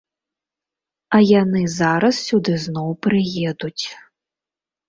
А яны зараз сюды зноў прыедуць.